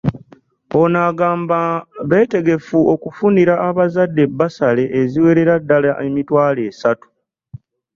Ono agamba beetegefu okufunira abazadde bbasale eziwerera ddala emitwalo esatu